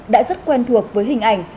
đã rất quen thuộc với hình ảnh